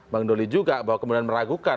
bang doli juga bahwa kemudian meragukan